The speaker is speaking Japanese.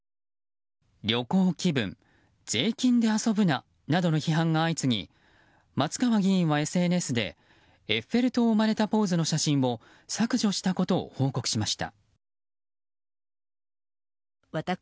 旅行気分税金で遊ぶななどの批判が相次ぎ松川議員はＳＮＳでエッフェル塔をまねたポーズの写真を削除したことを報告しました。